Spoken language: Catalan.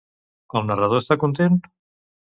El narrador està content?